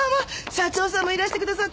社長さんもいらしてくださったんですか。